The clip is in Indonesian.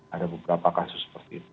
ada beberapa kasus seperti itu